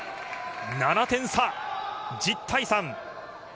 ７点差、１０対３。